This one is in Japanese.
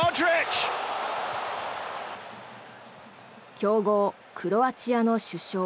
強豪クロアチアの主将